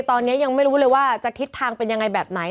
ตอนนี้ยังไม่รู้เลยว่าจะทิศทางเป็นยังไงแบบไหน